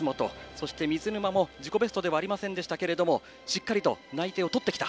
そして水沼も自己ベストではありませんでしたけどしっかりと内定を取ってきた。